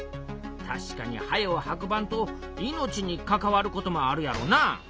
たしかに早う運ばんと命に関わることもあるやろな。